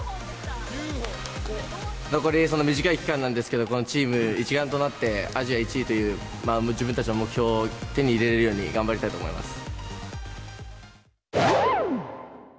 残り短い期間なんですけど、このチーム一丸となって、アジア１位という自分たちの目標を手に入れれるように頑張りたいと思います。